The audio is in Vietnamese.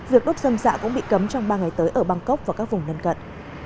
việc đốt dâm dạ cũng bị cấm trong ba ngày tới ở bangkok và các vùng lân cận